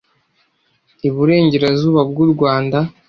i Burengerazuba bw’u Rwanda.